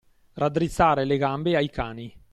Raddrizzare le gambe ai cani.